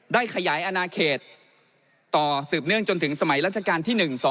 ได้ขยายอนาเขตต่อสืบเนื่องจนถึงสมัยราชการที่๑๒